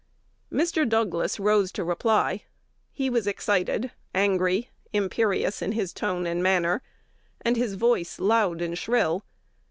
Mr. Douglas rose to reply. He was excited, angry, imperious in his tone and manner, and his voice loud and shrill.